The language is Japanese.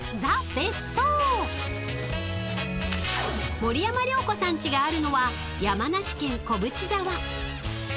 ［森山良子さんちがあるのは山梨県小淵沢］